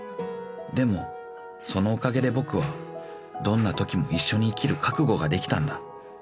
［でもそのおかげで僕はどんなときも一緒に生きる覚悟ができたんだ］